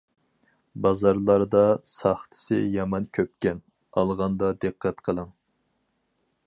بازارلاردا ساختىسى يامان كۆپكەن، ئالغاندا دىققەت قىلىڭ.